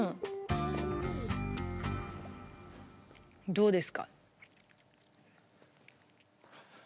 どうですか？